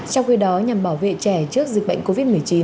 trong khi đó nhằm bảo vệ trẻ trước dịch bệnh covid một mươi chín